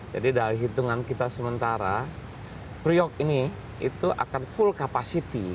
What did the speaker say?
jadi dari hitungan kita sementara priok ini itu akan full capacity